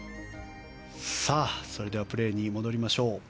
それではプレーに戻りましょう。